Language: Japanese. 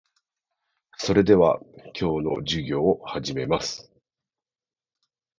それでは、今日の授業を始めます。